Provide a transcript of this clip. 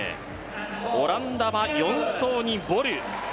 オランダは４走にボル。